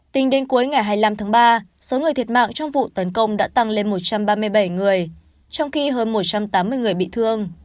tính đến cuối ngày hai mươi năm tháng ba số người thiệt mạng trong vụ tấn công đã tăng lên một trăm ba mươi bảy người trong khi hơn một trăm tám mươi người bị thương